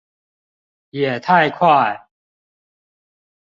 也太快